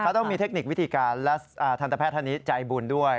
เขาต้องมีเทคนิควิธีการและทันตแพทย์ท่านนี้ใจบุญด้วย